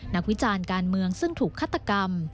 วิจารณ์การเมืองซึ่งถูกฆาตกรรม